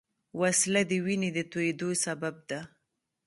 وسله د وینې د تویېدو سبب ده